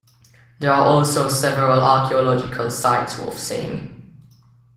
There are also several archeological sites worth seeing.